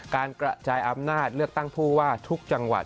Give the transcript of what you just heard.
การกระจายอำนาจเลือกตั้งผู้ว่าทุกจังหวัด